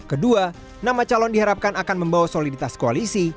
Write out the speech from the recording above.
kedua nama calon diharapkan akan membawa soliditas koalisi